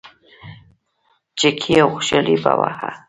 چکې او خوشحالي به وه.